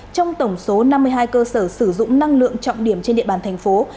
trong tổng số năm mươi hai cơ sở sử dụng năng lượng trọng điểm trên địa bàn thành phố